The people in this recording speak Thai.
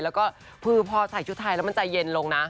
แล้วก็คือพอใส่ชุดไทยแล้วมันใจเย็นลงนะ